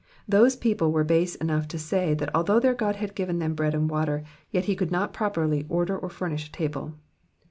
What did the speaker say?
These people were base enough to say that although their God had given them bread and water, yet he could not properly order or furnish a table.